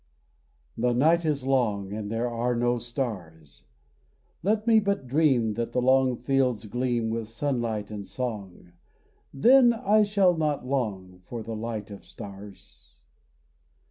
The night is long And there are no stars, Let me but dream That the long fields gleam With sunlight and song, Then I shall not long For the light of stars.